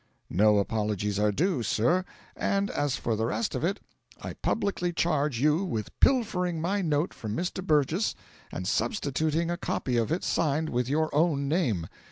"No apologies are due, sir; and as for the rest of it, I publicly charge you with pilfering my note from Mr. Burgess and substituting a copy of it signed with your own name.